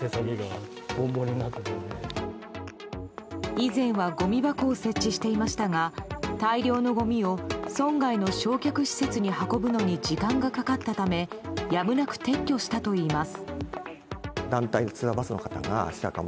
以前はごみ箱を設置していましたが大量のごみを村外の焼却施設に運ぶのに時間がかかったためやむなく撤去したといいます。